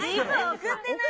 送ってない。